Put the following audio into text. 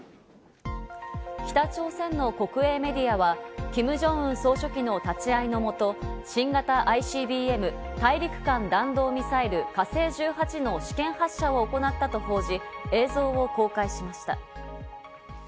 北朝鮮の国営メディアはキム・ジョンウン総書記の立会いのもと、新型ＩＣＢＭ＝大陸間弾道ミサイル「火星１８」の試験発射を行ったと報じ、映像を公開しました。